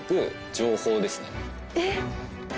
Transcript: えっ？